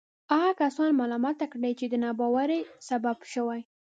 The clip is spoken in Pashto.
هغه کسان ملامته کړي چې د ناباورۍ سبب شوي.